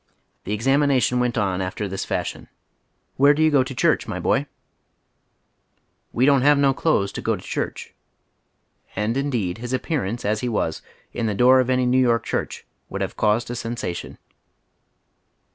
The examina tion went on after this fashion :" Where do you go to cliurch, my boy ?"" We don't have no clothes to go to church." And in deed his appearance, as he was, in tlie door of any New York church would liave caused a sensation.